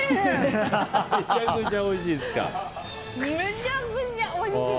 めちゃくちゃおいしい！